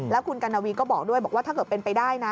แล้วคุณกัณวีก็บอกด้วยบอกว่าถ้าเกิดเป็นไปได้นะ